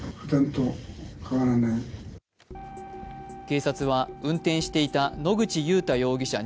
警察は運転していた野口祐太容疑者